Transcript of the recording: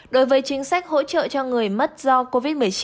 đối với chính sách hỗ trợ cho người mất do covid một mươi chín